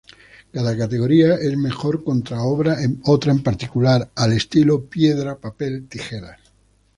Cada categoría es mejor contra otra en particular, al estilo Piedra-Papel-Tijeras.